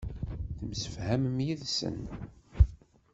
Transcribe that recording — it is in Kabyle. Temsefhamem yid-sen.